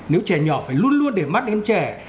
nếu trẻ nhỏ phải luôn luôn để mắt đến trẻ